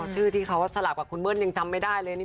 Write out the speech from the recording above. ชื่อที่เค้าสลักด้วยของคุณเมิดยังจำไม่ได้เลย